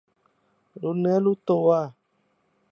รู้เนื้อรู้ตัว